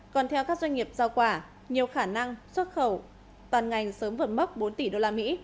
còn theo các doanh nghiệp giao quả nhiều khả năng xuất khẩu toàn ngành sớm vượt mốc bốn tỷ usd